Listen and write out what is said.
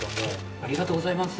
ありがとうございます。